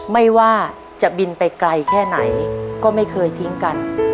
ไม่ว่าจะบินไปไกลแค่ไหนก็ไม่เคยทิ้งกัน